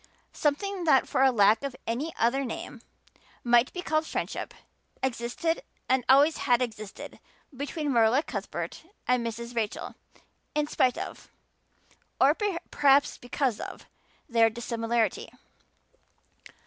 Something that for lack of any other name might be called friendship existed and always had existed between Marilla Cuthbert and Mrs. Rachel, in spite of or perhaps because of their dissimilarity.